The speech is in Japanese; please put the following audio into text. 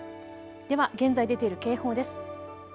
では現在出ている警報です。